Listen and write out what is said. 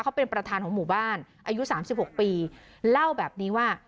เขาเป็นประธานของหมู่บ้านอายุ๓๖ปีเล่าแบบนี้ว่า